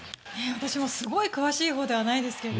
私もすごい詳しいほうではないですけど